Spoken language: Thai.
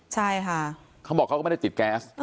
ใช่ค่ะเขาบอกเขาก็ไม่ได้ติดแก๊ส